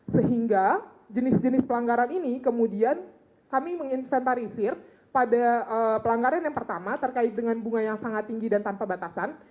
sehingga jenis jenis pelanggaran ini kemudian kami menginventarisir pada pelanggaran yang pertama terkait dengan bunga yang sangat tinggi dan tanpa batasan